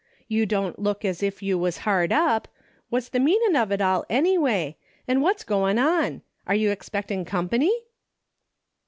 You don't look as if you was hard up. What's the meanin' of it all ennyway, an' what's goin' on ? Are you expectin' company